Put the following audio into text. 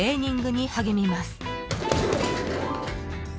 ［に励みます］